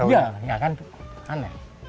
iya kan aneh